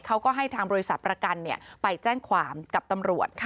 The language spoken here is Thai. เขาก็ให้ทางบริษัทประกันไปแจ้งความกับตำรวจ